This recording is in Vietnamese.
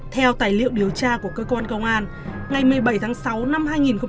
theo tài liệu điều tra của cơ quan công an ngày một mươi bảy tháng sáu năm hai nghìn bảy